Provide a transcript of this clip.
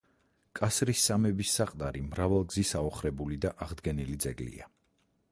კასრის სამების საყდარი მრავალგზის აოხრებული და აღდგენილი ძეგლია.